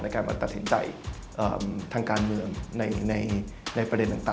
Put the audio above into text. การมาตัดสินใจทางการเมืองในประเด็นต่าง